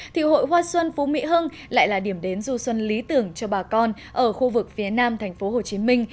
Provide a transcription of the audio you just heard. thì hội hoa xuân phú mỹ hưng lại là điểm đến du xuân lý tưởng cho bà con ở khu vực phía nam tp hcm